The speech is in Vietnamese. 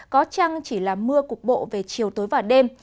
có chăng chỉ là mưa cục bộ về chiều tối và đêm